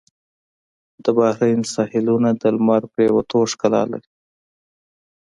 د بحرین ساحلونه د لمر پرېوتو ښکلا لري.